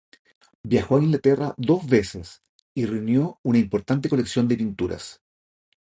Viajó a Inglaterra dos veces y reunió una importante colección de pinturas.